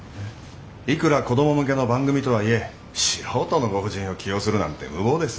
いくら子ども向けの番組とはいえ素人のご婦人を起用するなんて無謀です。